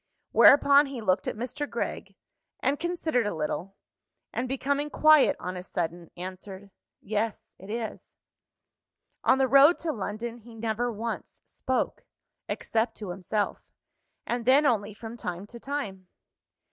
Whereupon he looked at Mr. Gregg and considered a little and, becoming quiet on a sudden, answered, "Yes, it is." On the road to London, he never once spoke except to himself and then only from time to time.